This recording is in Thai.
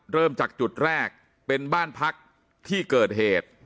เริ่มจากจุดแรกเป็นบ้านพักที่เกิดเหตุ